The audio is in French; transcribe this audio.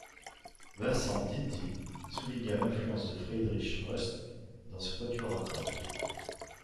Vincent d'Indy souligna l'influence de Friedrich Rust dans ce quatuor à cordes.